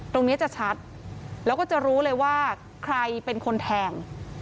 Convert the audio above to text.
ตรงนี้จะชัดแล้วก็จะรู้เลยว่าใครเป็นคนแทง